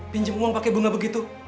pinjem uang pakai bunga begitu